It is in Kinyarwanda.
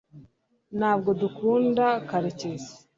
ntabwo dukunda karekezi